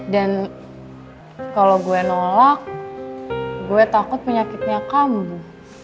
dan kalau gue nolak gue takut penyakitnya kamu